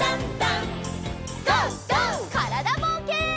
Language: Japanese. からだぼうけん。